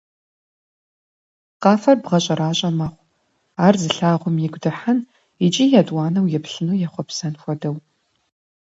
Къафэр бгъэщӀэращӀэ мэхъу, ар зылъагъум игу дыхьэн икӀи етӀуанэу еплъыну ехъуэпсэн хуэдэу.